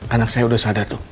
anak saya udah sadar tuh